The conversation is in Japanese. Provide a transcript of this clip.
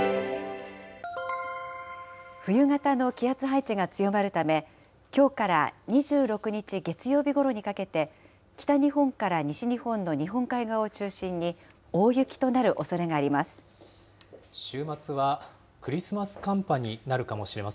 冬型の気圧配置が強まるため、きょうから２６日月曜日ごろにかけて、北日本から西日本の日本海側を中心に、大雪となるおそれがありま